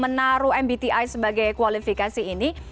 menaruh mbti sebagai kualifikasi ini